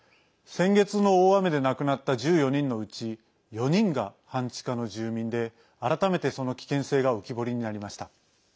先月の大雨で亡くなった１４人のうち４人が半地下の住民で改めて、その危険性が浮き彫りになりました。